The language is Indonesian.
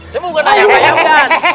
itu bukan layapan